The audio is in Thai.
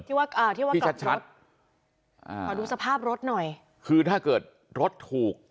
ที่ว่าอ่าที่ว่ากลับรถอ่าขอดูสภาพรถหน่อยคือถ้าเกิดรถถูก